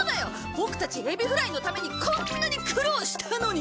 ボクたちエビフライのためにこんなに苦労したのに！